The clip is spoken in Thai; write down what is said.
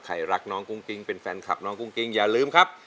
ใครรักน้องกุ้งกิ๊งเป็นแฟนคลับน้องกุ้งกิ้งอย่าลืมครับ